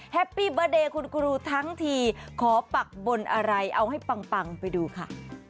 แฮปปี้เบอร์เดย์คุณครูทั้งทีขอปักบนอะไรเอาให้ปังไปดูค่ะ